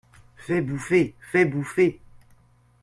Fais bouffer ! fais bouffer !…